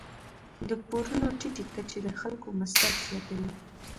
د پورونو ټیټې کچې د خلکو مصرف زیاتوي.